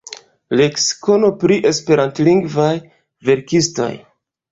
Leksikono pri Esperantlingvaj verkistoj.